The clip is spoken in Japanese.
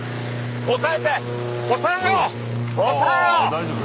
大丈夫？